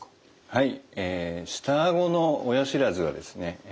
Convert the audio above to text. はい。